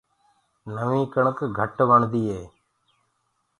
نوينٚ ڪڻڪ گھٽ وڻدي هي۔